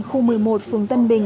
khu một mươi một phường tân bình